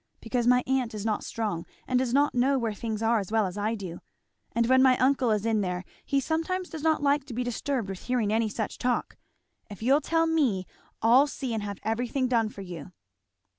Because my aunt is not strong, and does not know where things are as well as I do; and when my uncle is in there he sometimes does not like to be disturbed with hearing any such talk. If you'll tell me I'll see and have everything done for you."